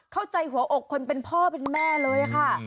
เข้าใจหัวอกคนเป็นพ่อเป็นแม่เลยค่ะ